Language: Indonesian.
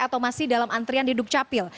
atau masih dalam antrian di dukcapil